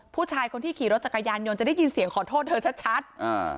ผู้ชายคนที่ขี่รถจักรยานยนต์จะได้ยินเสียงขอโทษเธอชัดชัดอ่า